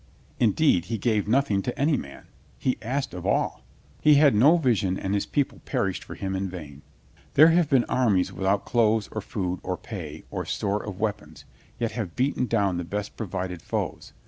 Indeed, he gave nothing to any man. He asked of all. He THE HOME OF LOST CAUSES 209 had no vision and his people perished for him in vain. There have been armies without clothes or food or pay or store of weapons, yet have beaten down the best provided foes.